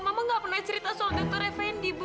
mama gak pernah cerita soal dr effendi bu